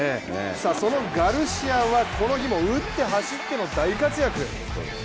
そのガルシアはこの日も打って走っての大活躍。